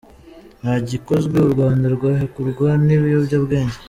Nta gikozwe, u Rwanda rwahekurwa n’ibiyobyabwenge .